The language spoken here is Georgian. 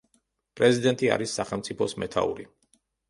პრეზიდენტი არის სახელმწიფოს მეთაური.